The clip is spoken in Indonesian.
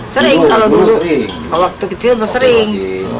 sering kalau dulu waktu kecil sering